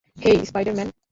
হেই, Spider Man!